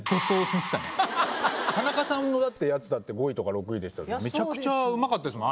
田中さんのやつだって５位とか６位でしたけどめちゃくちゃうまかったですもん